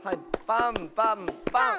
パンパンパン。